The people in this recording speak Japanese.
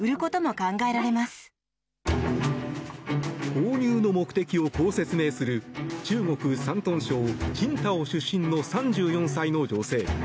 購入の目的をこう説明する中国・山東省青島出身の３４歳の女性。